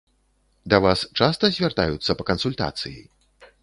Да вас часта звяртаюцца па кансультацыі?